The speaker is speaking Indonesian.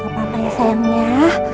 apa apa ya sayangnya